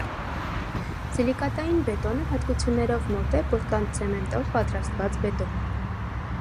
Սիլիկատային բետոնը հատկություններով մոտ է պորտլանդցեմենտով պատրաստված բետոնին։